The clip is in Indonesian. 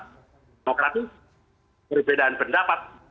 demokratis perbedaan pendapat